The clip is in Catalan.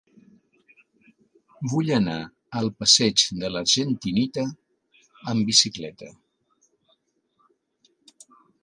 Vull anar al passeig de l'Argentinita amb bicicleta.